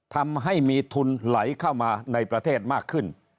ทำให้มีทุนไหลเข้ามาในประเทศมากขึ้น